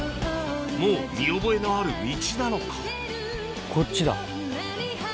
もう見覚えのある道なのかこっちだ。